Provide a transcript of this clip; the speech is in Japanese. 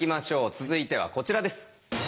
続いてはこちらです。